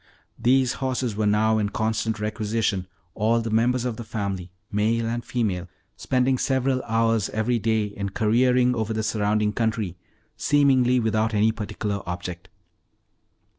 These horses were now in constant requisition, all the members of the family, male and female, spending several hours every day in careering over the surrounding country, seemingly without any particular object.